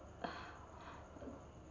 masa dewi tidak tau kemana sona pergi